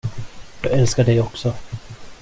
Jag älskar dig också.